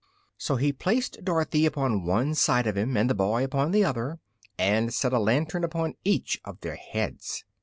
So he placed Dorothy upon one side of him and the boy upon the other and set a lantern upon each of their heads.